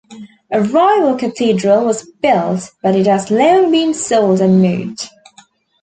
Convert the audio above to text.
A rival cathedral was built but it has long been sold and moved.